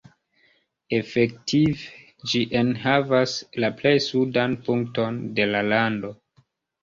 Efektive ĝi enhavas la plej sudan punkton de la lando.